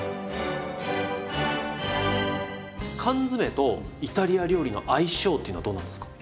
缶詰とイタリア料理の相性っていうのはどうなんですか？